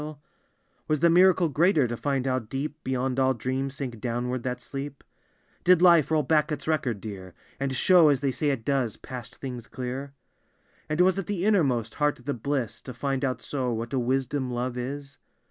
D,gt,, erihyGOOgle " Was the mirade greater to find bow deep Beyond all dreams sank downward that sleep? " Did life roll back its record, dear. And show, as they say it does, past things clear ?" And was it the innermost heart of the bliss To find out so, what a wisdom love is?